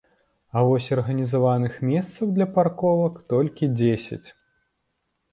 А вось арганізаваных месцаў для парковак толькі дзесяць.